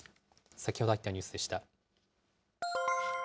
先ほど入ったニュースでした。